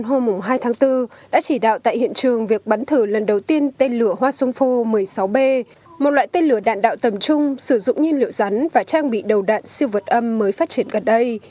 hôm hai tháng bốn đã chỉ đạo tại hiện trường việc bắn thử lần đầu tiên tên lửa hoa sông phô một mươi sáu b một loại tên lửa đạn đạo tầm trung sử dụng nhiên liệu rắn và trang bị đầu đạn siêu vật âm mới phát triển gần đây